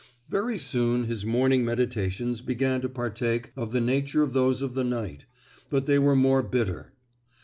Very soon his morning meditations began to partake of the nature of those of the night, but they were more bitter.